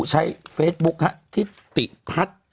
ใช้เฟซบุ๊คที่ติพัฒน์